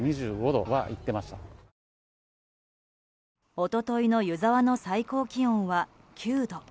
一昨日の湯沢の最高気温は９度。